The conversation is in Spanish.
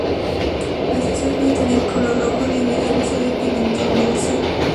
La salsa suele tener color rojo debido al uso de pimentón dulce.